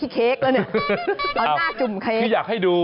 หมอกิตติวัตรว่ายังไงบ้างมาเป็นผู้ทานที่นี่แล้วอยากรู้สึกยังไงบ้าง